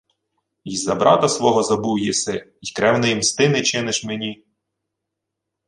— Й за брата свого забув єси, й кревної мсти не чиниш мені...